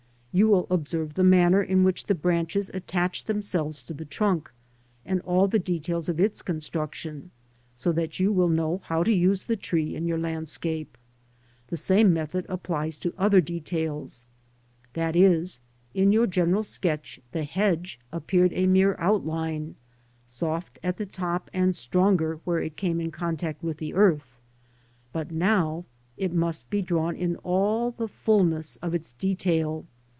You will observe the manner in which the branches attach themselves to the trunk, and all the details of its construction, so that you will know how to use the tree in your landscape. The same method applies to other details, t.e. in your general sketch the hedge appeared a mere outline, soft at the top and stronger where it came in contact with the earth ; but now it must be drawn in all the fulness of its detail.